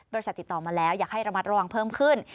ติดต่อมาแล้วอยากให้ระมัดระวังเพิ่มขึ้น